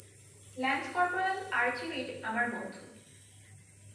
Lance corporal Archie Reid আমার বন্ধু!